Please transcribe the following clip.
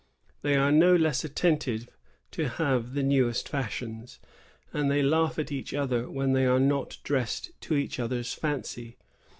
They are no less attentive to have the newest fashions, and they laugh at one another when they are not dressed to one another's fancy.